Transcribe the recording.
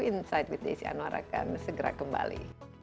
insight with desi anwar akan segera kembali